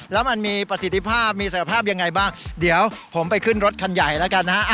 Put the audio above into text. แล้วมันมีประสิทธิภาพมีศักยภาพยังไงบ้างเดี๋ยวผมไปขึ้นรถคันใหญ่แล้วกันนะฮะ